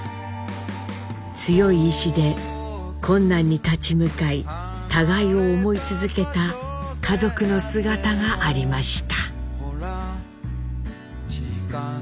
強い意志で困難に立ち向かい互いを思い続けた家族の姿がありました。